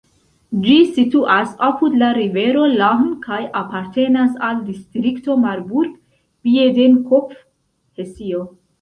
Ĝi situas apud la rivero Lahn kaj apartenas al distrikto Marburg-Biedenkopf, Hesio.